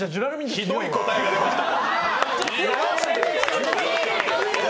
ひどい答えが出ました。